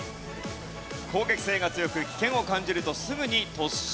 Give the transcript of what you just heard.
攻撃性が強く危険を感じるとすぐに突進していきます。